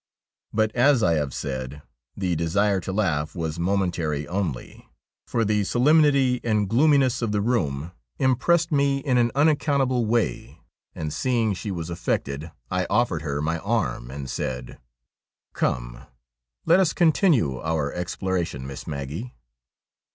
But, as I have said, the desire to laugh was momentary only, for the solemnity and gloominess of the room impressed THE SPECTRE OF BARROCHAN 47 me in an unaccountable way, and, seeing she was affected, I offered her my arm, and said :' Come, let us continue our exploration, Miss Maggie.'